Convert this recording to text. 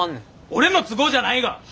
俺の都合じゃないが。